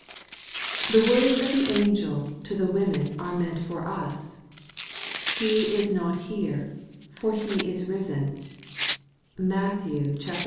The words of the angel to the women are meant for us : 'He is not here ; for He is risen ' (Matt, xxviii.